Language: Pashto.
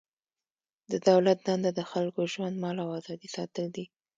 د دولت دنده د خلکو ژوند، مال او ازادي ساتل دي.